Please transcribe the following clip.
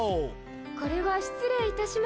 これは失礼いたしました。